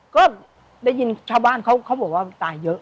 ก็ได้ยินชาวบ้านเขาบอกว่าตายเยอะ